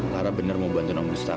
lara bener mau bantu om gustaf